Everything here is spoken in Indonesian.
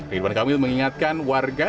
ridwan kamil mengingatkan warga